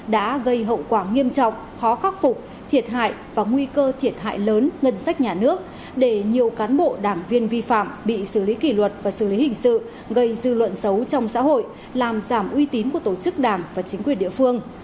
đã gây hậu quả nghiêm trọng khó khắc phục thiệt hại và nguy cơ thiệt hại lớn ngân sách nhà nước để nhiều cán bộ đảng viên vi phạm bị xử lý kỷ luật và xử lý hình sự gây dư luận xấu trong xã hội làm giảm uy tín của tổ chức đảng và chính quyền địa phương